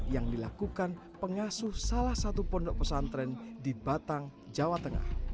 yang dilakukan pengasuh salah satu pondok pesantren di batang jawa tengah